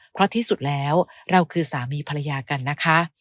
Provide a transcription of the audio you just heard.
เพราะที่สุดแล้วเราคือสามีภรรยากันนะคะ